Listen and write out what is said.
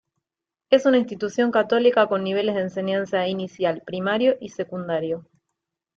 Es una institución católica con niveles de enseñanza inicial, primario y secundario.